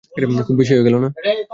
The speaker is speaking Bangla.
খুব বেশি হয়ে গেলো।